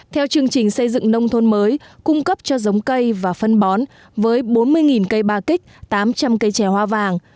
theo chương trình xây dựng nông thôn mới cung cấp cho giống cây và phân bón với bốn mươi cây ba kích tám trăm linh cây trè hoa vàng